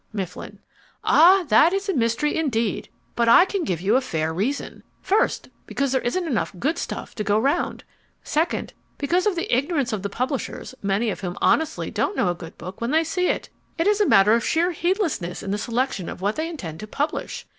MIFFLIN Ah, that is a mystery indeed! But I can give you a fair reason. First, because there isn't enough good stuff to go round. Second, because of the ignorance of the publishers, many of whom honestly don't know a good book when they see it. It is a matter of sheer heedlessness in the selection of what they intend to publish.